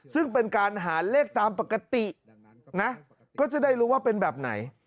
ซึ่งเป็นการหาเลขตามปกตินะก็จะได้รู้ว่าเป็นแบบไหน